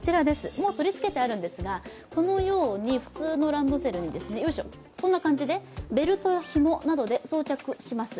もう取り付けてあるんですがこのように普通のランドセルにこんな感じでベルト、ひもなどで装着します。